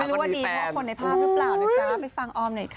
ไม่รู้ว่าดีทุกคนในภาพหรือเปล่านะจ๊ะไปฟังออมหน่อยค่ะ